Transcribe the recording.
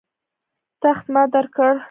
تخت ما درکړ.